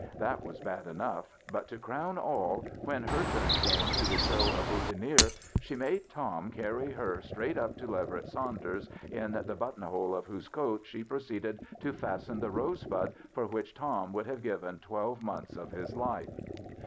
That was bad enough, but to crown all, when her turn came to be stow a boutonniere she made Tom cany her straight up to Leverett Saunders, in the but ton hole of whose coat she proceeded to fasten the rosebud for which Tom would have given twelve months of his life.